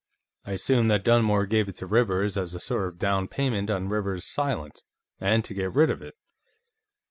I assume that Dunmore gave it to Rivers as a sort of down payment on Rivers's silence, and to get rid of it.